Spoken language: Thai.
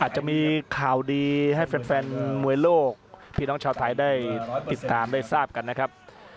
จะมีข่าวดีให้แฟนมวยโลกพี่น้องชาวไทยได้ติดตามได้ทราบกันนะครับ